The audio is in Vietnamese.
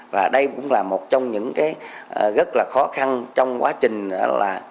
và đây cũng là một trong những cái rất là khó khăn trong quá trình là chúng tôi